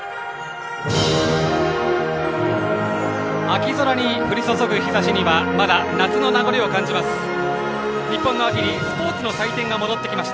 秋空に降り注ぐ日ざしにはまだ夏の名残を感じます。